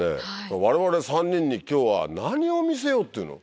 我々３人に今日は何を見せようっていうの？